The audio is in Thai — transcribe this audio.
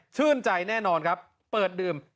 ชื่นใจแน่นอนครับเปิดดื่ม